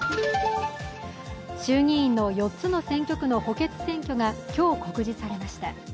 衆議院の４つの選挙区の補欠選挙が今日告示されました。